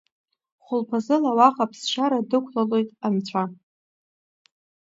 Хәылԥазыла уаҟа ԥсшьара, дықәлалоит Анцәа…